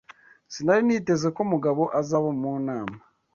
Sinari niteze ko Mugabo azaba mu nama.